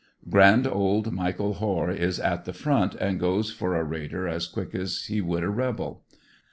Grand old Michael Hoare is at the front and goes for a raider as quick as he would ^ rebel.